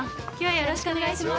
よろしくお願いします。